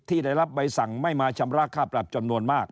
ได้รับใบสั่งไม่มาชำระค่าปรับจำนวนมาก